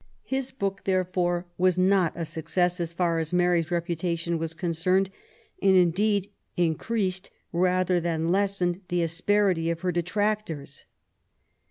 His book, therefore, was not a success as far as Marjr's reputation was concerned, and, indeed, increased rather than lessened the asperity of her detractors.